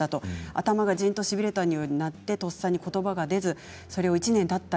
頭がじーんとしびれたようになってとっさにことばが出ずそれを１年たった